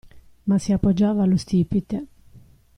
Ma si appoggiava allo stipite.